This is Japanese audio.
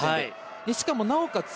しかもなおかつ